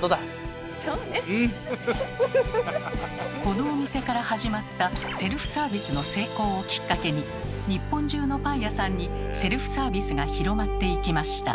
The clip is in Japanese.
このお店から始まったセルフサービスの成功をきっかけに日本中のパン屋さんにセルフサービスが広まっていきました。